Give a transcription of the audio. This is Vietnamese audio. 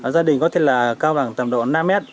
gia đình có thể là cao tầm độ năm m